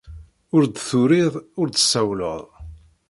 Ur d-turiḍ, ur d-tessawleḍ.